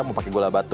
mau pake gula batu